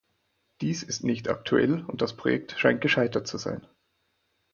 Dies ist nicht aktuell und das Projekt scheint gescheitert zu sein.